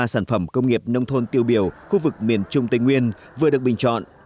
hội trợ triển lãm hàng công nghiệp nông thôn tiêu biểu khu vực miền trung tây nguyên vừa được bình chọn